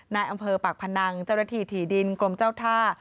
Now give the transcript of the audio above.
นายอำเภอปากพนังเจ้าหน้าที่ถี่ดินกรมเจ้าท่า